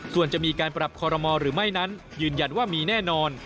ส่วนจะมีการปรับคอรมอลหรือไม่นั้นยืนยันว่ามีแน่นอน